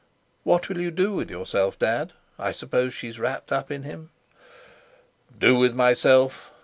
"What will you do with yourself, Dad? I suppose she's wrapped up in him?" "Do with myself?"